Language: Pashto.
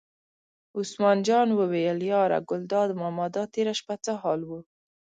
عثمان جان وویل: یاره ګلداد ماما دا تېره شپه څه حال و.